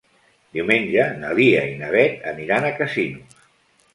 Diumenge na Lia i na Beth aniran a Casinos.